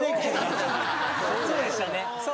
そうでしたね。